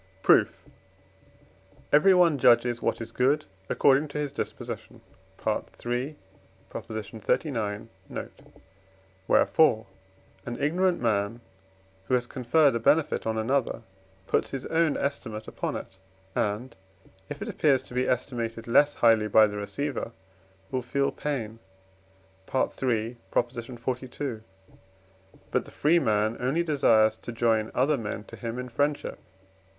Proof. Everyone judges what is good according to his disposition (III. xxxix. note); wherefore an ignorant man, who has conferred a benefit on another, puts his own estimate upon it, and, if it appears to be estimated less highly by the receiver, will feel pain (III. xlii.). But the free man only desires to join other men to him in friendship (IV.